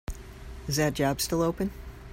Is that job still open?